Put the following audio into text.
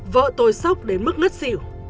vợ tôi sốc đến mức nứt xỉu